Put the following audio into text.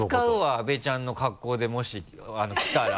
阿部ちゃんの格好でもし来たら。